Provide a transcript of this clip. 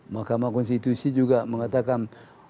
mahkamah konstitusi juga mengatakan